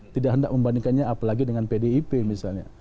tidak hendak membandingkannya apalagi dengan pdip misalnya